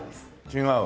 違う。